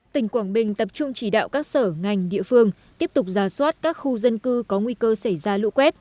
tỉnh quảng bình tập trung chỉ đạo các sở ngành địa phương tiếp tục ra soát các khu dân cư có nguy cơ xảy ra lũ quét